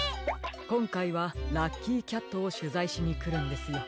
こんかいはラッキーキャットをしゅざいしにくるんですよ。